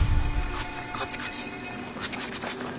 こっちこっちこっち。